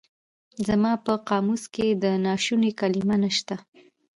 زما په قاموس کې د ناشوني کلمه نشته.